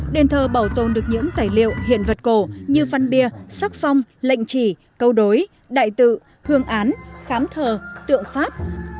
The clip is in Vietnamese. đền thờ bảo tồn được những tài liệu hiện vật cổ như văn bia sắc phong lệnh chỉ câu đối đại tự hương án khám thờ tượng pháp